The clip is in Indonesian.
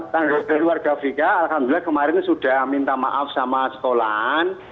tanggapan dari keluarga vk alhamdulillah kemarin sudah minta maaf sama sekolahan